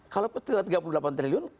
kalau tiga puluh delapan triliun